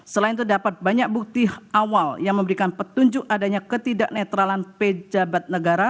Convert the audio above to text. selain itu dapat banyak bukti awal yang memberikan petunjuk adanya ketidak netralan pejabat negara